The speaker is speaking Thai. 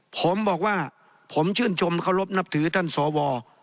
ผมบอกว่าผมชื่นชมเคารพนับถือท่านสว